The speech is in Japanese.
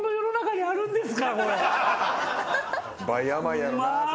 倍甘いやろうな。